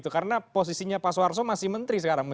karena posisinya pak suarso masih menteri sekarang